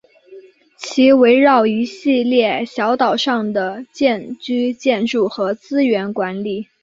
其围绕一系列小岛上的聚居建筑和资源管理。